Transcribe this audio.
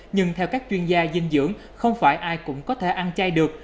nhưng theo các chuyên gia dinh dưỡng không phải ai cũng có thể ăn chay được